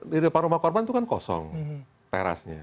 di depan rumah korban itu kan kosong terasnya